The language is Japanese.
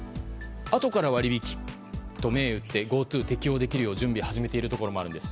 あとから割引と銘打ってＧｏＴｏを適用できるように準備を始めているところもあります。